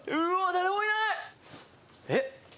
誰もいないえっ？